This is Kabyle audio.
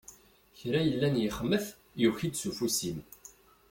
Kra i yellan yexmet, yuki-d s ufus-im.